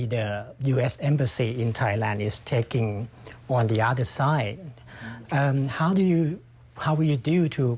แล้วคุณต้องทำยังไงนะในการคิดถูกสร้างทางที่สุดในไทย